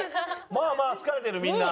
まあまあ好かれてるみんな。